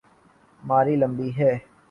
ماری لمبی ہے۔